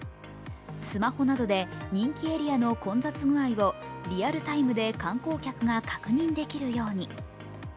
スマホなどで人気エリアの混雑具合をリアルタイムで観光客が確認できるように。